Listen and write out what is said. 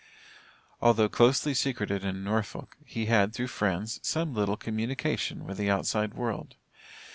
Although closely secreted in Norfolk, he had, through friends, some little communication with the outside world.